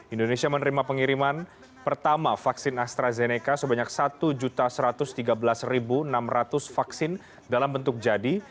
indonesia menerima pengiriman pertama vaksin astrazeneca sebanyak satu satu ratus tiga belas enam ratus vaksin dalam bentuk jadi